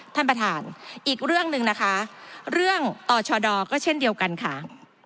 ท่านประธานอีกเรื่องหนึ่งนะคะเรื่องต่อชด็เช่นเดียวกันค่ะ